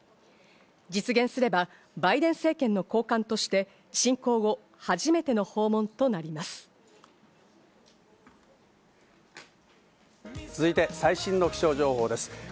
実現すれば、バイデン政権の高官として侵攻後初めての訪問となり最新の気象情報です。